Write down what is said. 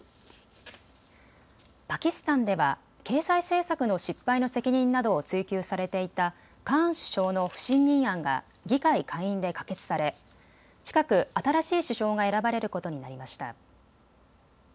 パキスタンでは経済政策の失敗の責任などを追及されていたカーン首相の不信任案が議会下院で可決され近く新しい首相が選ばれることになりました。